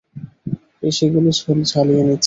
পেশিগুলো ঝালিয়ে নিচ্ছি।